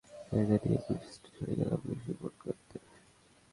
এসে অফিসের একজন থাই মেয়েকে নিয়ে পুলিশ স্টেশনে গেলাম পুলিশ রিপোর্ট আনতে।